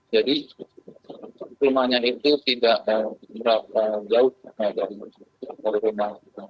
jadi rumahnya itu tidak jauh dari rumahnya